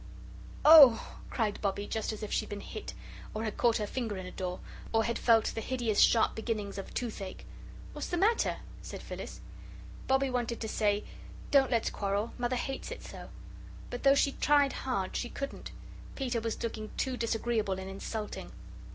"OH!" cried Bobbie, just as if she had been hit, or had caught her finger in a door, or had felt the hideous sharp beginnings of toothache. "What's the matter?" said Phyllis. Bobbie wanted to say: "Don't let's quarrel. Mother hates it so," but though she tried hard, she couldn't. Peter was looking too disagreeable and insulting.